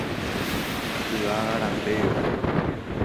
Yvága rape gotyo.